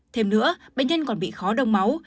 thêm nữa bệnh nhân còn bị khó đông máu